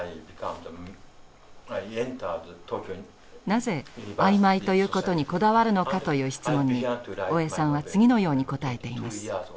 なぜあいまいということにこだわるのかという質問に大江さんは次のように答えています。